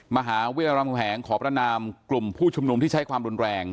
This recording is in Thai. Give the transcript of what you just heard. มหาวิทยาลำแหงขอประนามกลุ่มผู้ชุมนุมที่ใช้ความรุนแรง